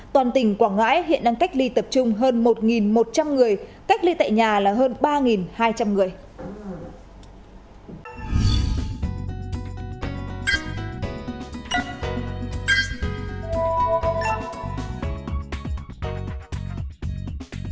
toàn tỉnh quảng ngãi hiện đang cách ly tập trung hơn một một trăm linh người cách ly tại nhà là hơn ba hai trăm linh người